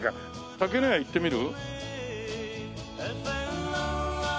竹乃家行ってみる？